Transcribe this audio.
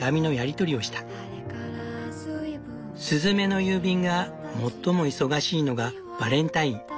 スズメの郵便が最も忙しいのがバレンタイン。